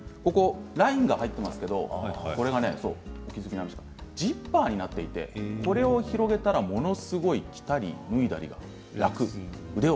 ラインが入っていますけれどもジッパーになっていて広げたらものすごい着たり脱いだりが楽。